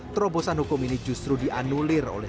terobosan hukum ini justru dianulir oleh